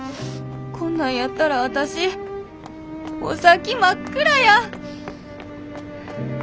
こんなんやったら私お先真っ暗や！